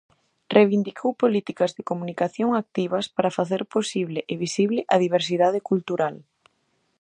Reivindicou políticas de comunicación activas para facer posible e visible a diversidade cultural.